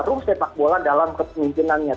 rum sepak bola dalam kemungkinannya